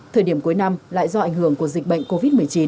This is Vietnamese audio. thời điểm cuối năm lại do ảnh hưởng của dịch bệnh covid một mươi chín